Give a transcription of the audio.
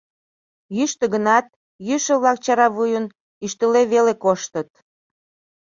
Йӱштӧ гынат, йӱшӧ-влак чаравуйын, ӱштыле веле коштыт.